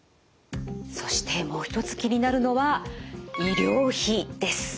そしてもう一つ気になるのは医療費です。